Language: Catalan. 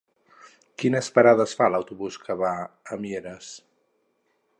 Quines parades fa l'autobús que va a Mieres?